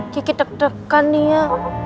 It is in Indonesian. kiki deg degan ya